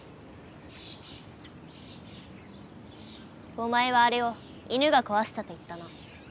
お前はあれを犬がこわしたと言ったな。